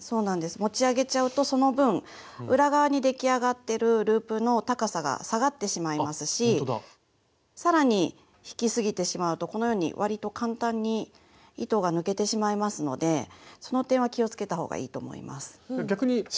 持ち上げちゃうとその分裏側に出来上がってるループの高さが下がってしまいますし更に引きすぎてしまうとこのようにわりと簡単に糸が抜けてしまいますのでその点は気をつけたほうがいいと思います。